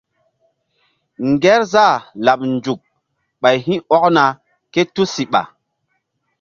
Ŋgerzah laɓ nzuk ɓay hi̧ ɔkna ké tusiɓa.